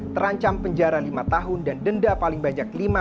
terancam penjara lingkungan